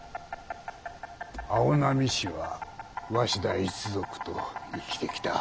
青波市は鷲田一族と生きてきた。